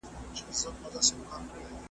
چي خدای څومره پیدا کړی یم غښتلی .